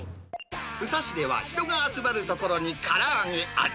宇佐市では人が集まる所にから揚げあり。